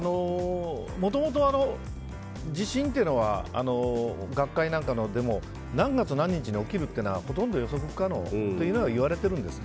もともと地震というのは学会でも何月何日に起こるというのはほとんど予測不可能と言われているんです。